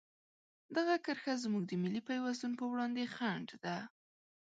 دغه کرښه زموږ د ملي پیوستون په وړاندې خنډ ده.